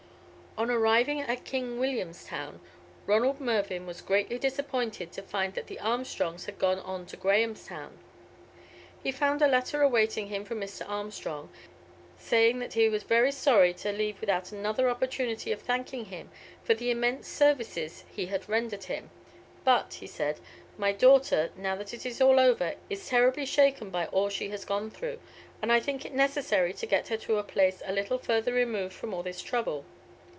On arriving at King Williamstown, Ronald Mervyn was greatly disappointed to find that the Armstrongs had gone on to Grahamstown. He found a letter awaiting him from Mr. Armstrong, saying that he was very sorry to leave without another opportunity of thanking him for the immense services he had rendered him, "but," he said, "my daughter, now that it is all over, is terribly shaken by all she has gone through, and I think it necessary to get her to a place a little further removed from all this trouble.